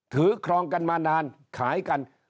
ครองกันมานานขายกัน